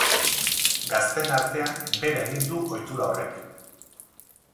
Gazteen artean, behera egin du ohitura horrek.